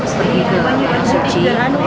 seperti ini bangunan suci